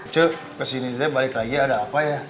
cuk ke sini deh balik lagi ada apa ya